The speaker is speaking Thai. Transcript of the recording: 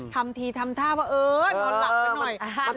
ทำทีทำท่าว่าเออนอนหลับซะหน่อย